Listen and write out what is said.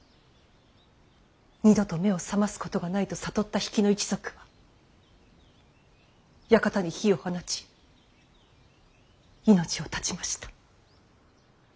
二度と目を覚ますことがないと悟った比企の一族は館に火を放ち命を絶ちました。